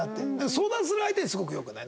相談する相手にすごく良くない？